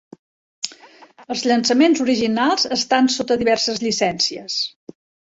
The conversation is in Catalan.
Els llançaments originals estan sota diverses llicències.